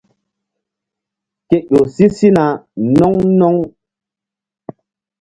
Ke ƴo si sina no̧ŋ no̧ŋ.